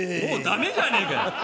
もうダメじゃねえかよ